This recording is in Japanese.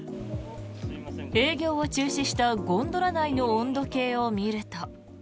営業を中止したゴンドラ内の温度計を見ると。